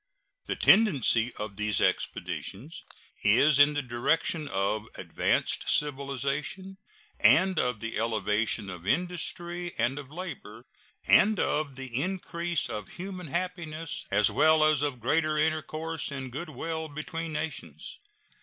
The tendency of these expositions is in the direction of advanced civilization, and of the elevation of industry and of labor, and of the increase of human happiness, as well as of greater intercourse and good will between nations.